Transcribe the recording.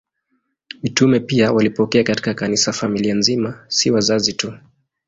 Mitume pia walipokea katika Kanisa familia nzima, si wazazi tu.